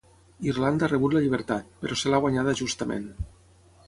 Irlanda ha rebut la llibertat, però se l'ha guanyada justament.